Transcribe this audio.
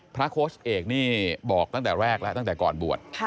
โค้ชเอกนี่บอกตั้งแต่แรกแล้วตั้งแต่ก่อนบวช